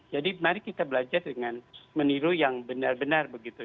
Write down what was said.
jadi mari kita belajar dengan meniru yang benar benar begitu